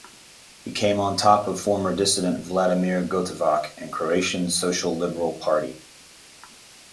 He came on top of former dissident Vladimir Gotovac and Croatian Social Liberal Party.